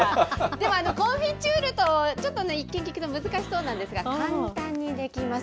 ではコンフィチュールとちょっとね、一見聞くと難しそうなんですが、簡単にできます。